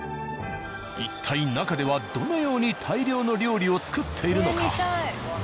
一体中ではどのように大量の料理を作っているのか？